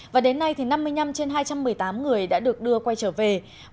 và đến nay thì năm mươi năm trên hai trăm một mươi tám người đã được đưa quay trở về